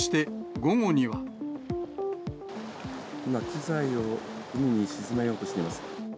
今、機材を海に沈めようとしています。